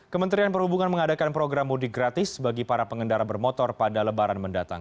kementerian perhubungan mengadakan program mudik gratis bagi para pengendara bermotor pada lebaran mendatang